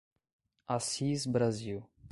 Assis Brasil